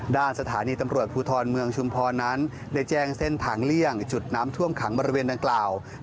ด้านสถานีตำรวจภูทรเมืองชุมพรนั้นได้แจ้งเส้นทางเลี่ยงจุดน้ำท่วมขังบริเวณดังกล่าว